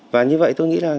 và như vậy tôi nghĩ là